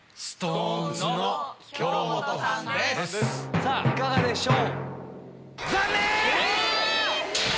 さぁいかがでしょう？